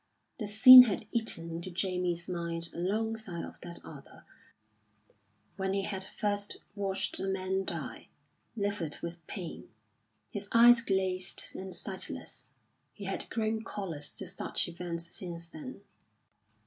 The scene had eaten into Jamie's mind alongside of that other when he had first watched a man die, livid with pain, his eyes glazed and sightless. He had grown callous to such events since then.